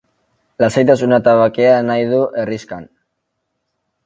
Lasaitasuna eta bakea nahi du herrixkan.